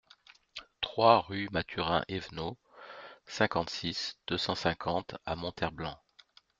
trois rue Mathurin Eveno, cinquante-six, deux cent cinquante à Monterblanc